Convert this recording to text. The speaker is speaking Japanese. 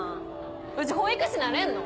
うち保育士なれんの？